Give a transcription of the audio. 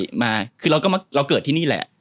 ใช่มาคือเราก็เราเกิดที่นี่แหละ